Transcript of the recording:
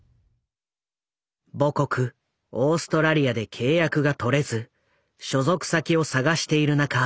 母国・オーストラリアで契約が取れず所属先を探している中